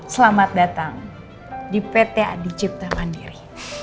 selamat datang di pt adi cipta mandiri